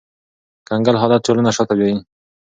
کنګل حالت ټولنه شاته بیایي